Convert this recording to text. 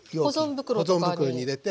保存袋とかに入れて？